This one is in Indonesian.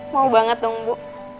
mau banget dong bu